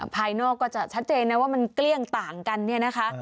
ภายนอกก็จะชัดเจนนะว่ามันเกลี้ยงต่างกันเนี่ยนะคะ